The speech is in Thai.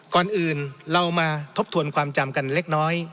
ก่อนอื่นเรามาทบทวนความจำกันเล็กน้อย